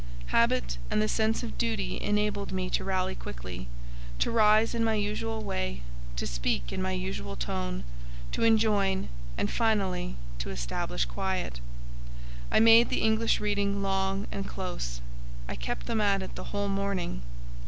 Habit and the sense of duty enabled me to rally quickly, to rise in my usual way, to speak in my usual tone, to enjoin, and finally to establish quiet. I made the English reading long and close. I kept them at it the whole morning.